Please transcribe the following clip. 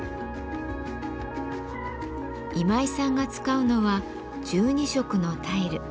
今井さんが使うのは１２色のタイル。